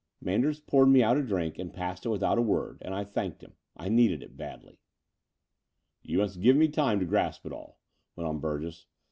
Manders poured me out a drink and passed it without a word: and I thanked him. I needed it badly. "You must give me time to grasp it all," went on Burgess.